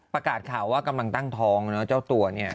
ประกาศข่าวว่ากำลังตั้งท้องเนอะเจ้าตัวเนี่ย